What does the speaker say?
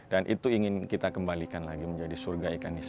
dan itu ingin kita kembalikan lagi menjadi surga ikan hias